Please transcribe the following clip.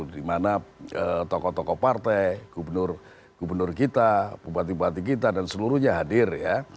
dimana tokoh tokoh partai gubernur gubernur kita bupati bupati kita dan seluruhnya hadir ya